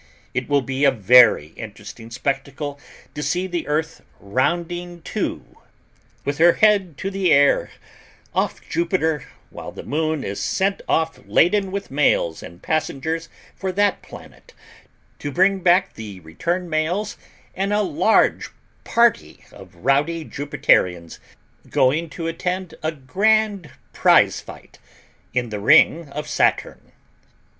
It will be a very interesting spectacle to see the Earth "rounding to," with her head to the air, off Jupiter, while the Moon is sent off laden with mails and passengers for that planet, to bring back the return mails and a large party of rowdy Jupiterians going to attend a grand prize fight in the ring of Saturn.